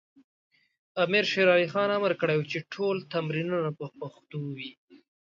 امیر شیر علی خان امر کړی و چې ټول تمرینونه په پښتو وي.